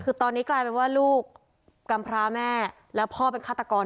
คือตอนนี้กลายเป็นว่าลูกกำพร้าแม่แล้วพ่อเป็นฆาตกร